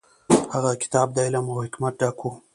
هغه کتاب د علم او حکمت ډک و.